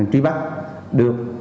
trí bắt được